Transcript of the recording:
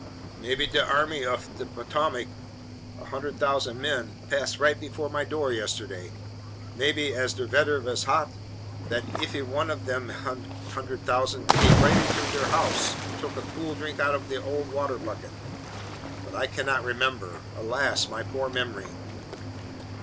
Maybe de Army uf de Potomac, a hundred thousand men, pass right before my door yesterday. Maybe, as der vedder vas hot, that efery one uf dem hundred thousand men came right into der house und take a cool drink out uf der water bucket. But I cannot remember. Alas, my poor memory!"